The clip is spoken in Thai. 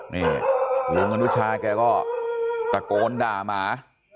หลวงธุชายแกก็ตะโกนด่าหมา